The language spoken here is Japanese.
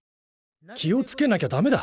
気をつけなきゃだめだ！